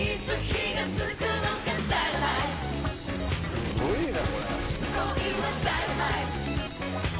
すごいな！